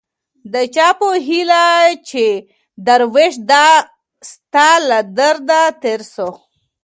د چا په هيله چي دروېش دا ستا له دره تېر سو